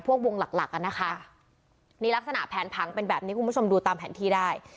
วงหลักหลักอ่ะนะคะนี่ลักษณะแผนผังเป็นแบบนี้คุณผู้ชมดูตามแผนที่ได้